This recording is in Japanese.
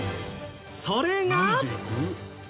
それが。